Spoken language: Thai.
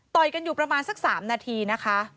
กันอยู่ประมาณสัก๓นาทีนะคะ